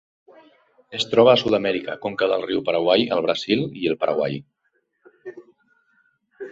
Es troba a Sud-amèrica: conca del riu Paraguai al Brasil i el Paraguai.